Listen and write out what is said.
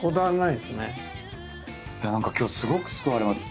いや何か今日すごく救われます。